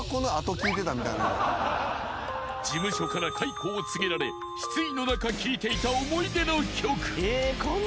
［事務所から解雇を告げられ失意の中聴いていた］